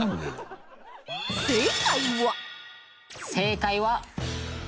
「正解は」